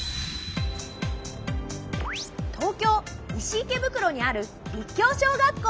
東京・西池袋にある立教小学校。